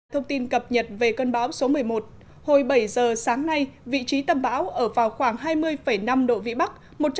thông tin cập nhật về cơn bão số một mươi một hồi bảy giờ sáng nay vị trí tâm bão ở vào khoảng hai mươi năm độ vĩ bắc